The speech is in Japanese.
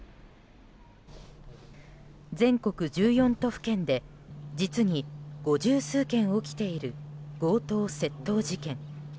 全国１４都府県で実に五十数件起きている強盗・窃盗事件。